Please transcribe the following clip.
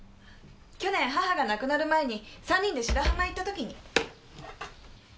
去年母が亡くなる前に３人で白浜へ行った時に。